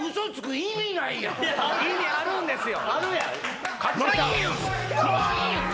意味あるんですよ！